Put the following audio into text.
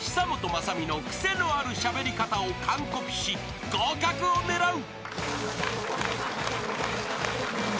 雅美のクセのあるしゃべり方を完コピし合格を狙う］